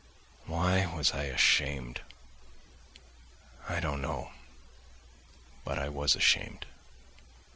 Why was I ashamed? I don't know, but I was ashamed.